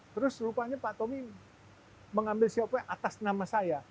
terus rupanya pak tommy mengambil siapa atas nama saya